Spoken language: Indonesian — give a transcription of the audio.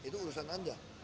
itu urusan anda